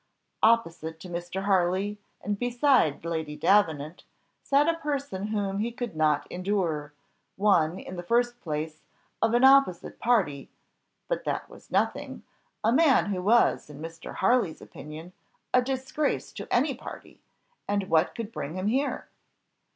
Opposite to Mr. Harley, and beside Lady Davenant, sat a person whom he could not endure; one, in the first place, of an opposite party, but that was nothing; a man who was, in Mr. Harley's opinion, a disgrace to any party, and what could bring him here?